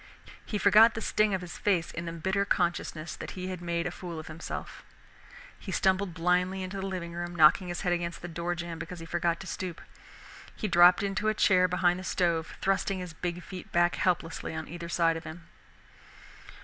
He forgot the sting of his face in the bitter consciousness that he had made a fool of himself He stumbled blindly into the living room, knocking his head against the door jamb because he forgot to stoop. He dropped into a chair behind the stove, thrusting his big feet back helplessly on either side of him.